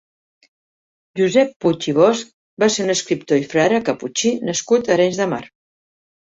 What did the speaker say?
Josep Puig i Bosch va ser un escriptor i frare caputxí nascut a Arenys de Mar.